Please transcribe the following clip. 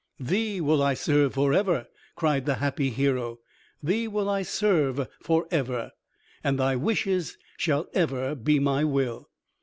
"Thee will I serve for ever," cried the happy hero, "thee will I serve for ever, and thy wishes shall ever be my will!"